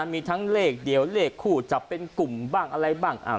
มีทั้งเลขเดียวเลขคู่จับเป็นกลุ่มบ้างอะไรบ้าง